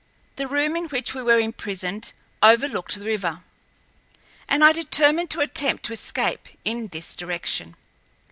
The room in which we were imprisoned overlooked the river, and I determined to attempt to escape in this direction.